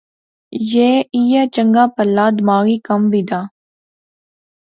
یہ ایہہ چنگا پہلا دماغی کم وی دا